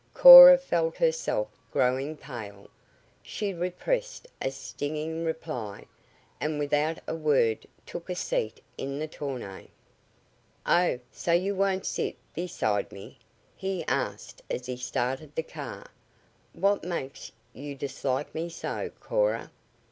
Cora felt herself growing pale. She repressed a stinging reply, and without a word took a seat in the tonneau. "Oh, so you won't sit beside me?" he asked as he started the car. "What makes you dislike me so, Cora?